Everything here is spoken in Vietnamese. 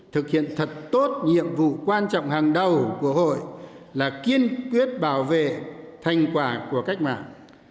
thực hiện thật tốt nhiệm vụ quan trọng hàng đầu của hội là kiên quyết bảo vệ thành quả của cách mạng